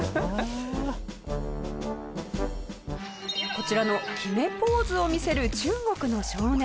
こちらの決めポーズを見せる中国の少年。